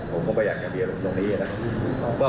ผมก็ไม่อยากเกียรตบีอรมตรงนี้นะครับ